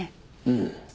うん。